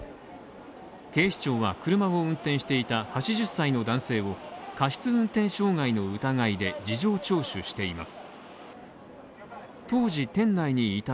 警視庁は、車を運転していた８０歳の男性を過失運転傷害の疑いで事情聴取しています。